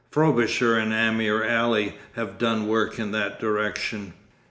'Frobisher and Ameer Ali have done work in that direction.